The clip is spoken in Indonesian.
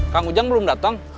kang ujang belum datang